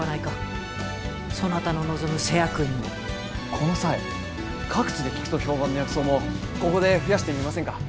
この際各地で効くと評判の薬草もここで増やしてみませんか？